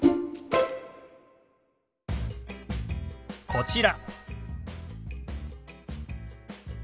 こちら。